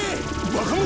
バカ者！